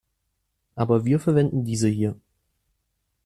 Aber wir verwenden diese hier.